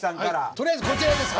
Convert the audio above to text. とりあえずこちらです。